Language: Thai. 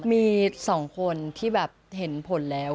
มีสองคนที่เห็นผลแล้ว